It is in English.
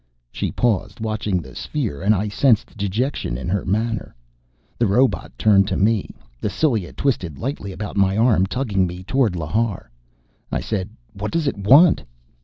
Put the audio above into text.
She paused, watching the sphere, and I sensed dejection in her manner. The robot turned to me. The cilia twisted lightly about my arm, tugging me toward Lhar. I said, "What does it want?"